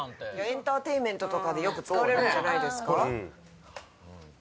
エンターテインメントとかでよく使われるんじゃないですか。